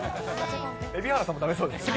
蛯原さんもだめそうですね。